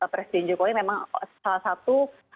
presiden jokowi memang salah satu